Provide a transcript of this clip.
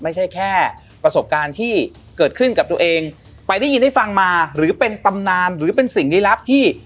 ไม่ใช่แค่ประสบการณ์ที่เกิดขึ้นกับตัวเองไปได้ยินได้ฟังมาหรือเป็นตำนานหรือเป็นสิ่งลี้ลับที่